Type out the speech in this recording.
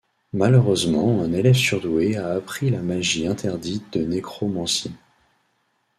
Malheureusement un élève surdoué a appris la magie interdite de nécromancie.